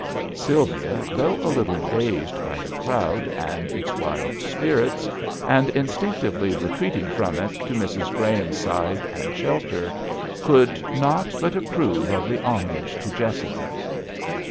Sylvia, though a little dazed by the crowd and its wild spirits, and instinctively retreat ing from it to Mrs. Graham's side and shelter, could not but approve of the homage to Jessica.